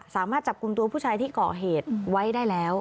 สามารถจับกลุ่มตัวผู้ชายที่เกาะเหตุไว้ได้แล้ว